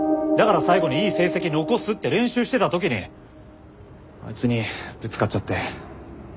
だから最後にいい成績残すって練習してた時にあいつにぶつかっちゃって。